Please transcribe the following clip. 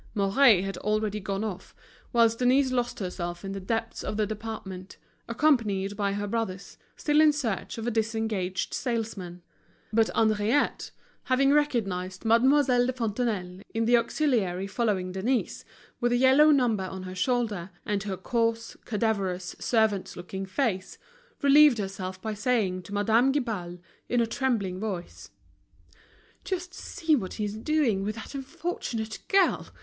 Mouret had already gone off, whilst Denise lost herself in the depths of the department, accompanied by her brothers, still in search of a disengaged salesman. But Henriette having recognized Mademoiselle de Fontenailles, in the auxiliary following Denise, with a yellow number on her shoulder, and her coarse, cadaverous, servant's looking face, relieved herself by saying to Madame Guibal, in a trembling voice: "Just see what he's doing with that unfortunate girl.